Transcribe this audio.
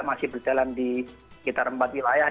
masih berjalan di sekitar empat wilayah